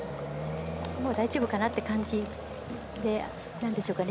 もう大丈夫かなって感じなんでしょうかね。